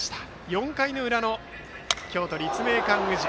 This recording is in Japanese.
４回の裏の京都・立命館宇治。